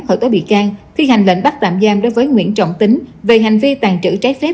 khởi tố bị can thi hành lệnh bắt tạm giam đối với nguyễn trọng tính về hành vi tàn trữ trái phép